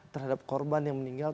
terhadap korban yang meninggal